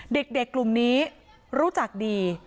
เด็กกลุ่มนี้รู้จักดี